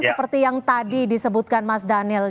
seperti yang tadi disebutkan mas daniel